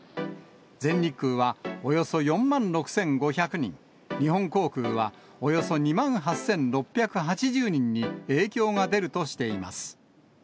全日空はおよそ４万６５００人、日本航空はおよそ２万８６８０人に、影響が出るとしています。